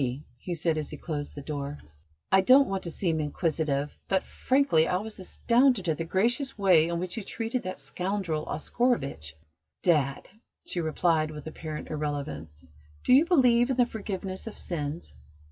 "Niti," he said, as he closed the door, "I don't want to seem inquisitive, but, frankly, I was astounded at the gracious way in which you treated that scoundrel Oscarovitch." "Dad," she replied, with apparent irrelevance, "do you believe in the forgiveness of sins?"